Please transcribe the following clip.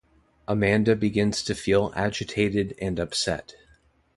Amanda begins to feel agitated and upset.